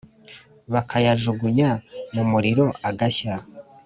bakayajugunya mu muriro agashya